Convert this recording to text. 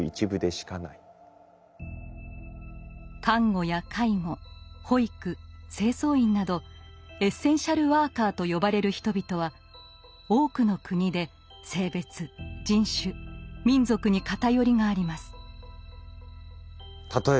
看護や介護保育清掃員などエッセンシャルワーカーと呼ばれる人々は多くの国で性別人種民族に偏りがあります。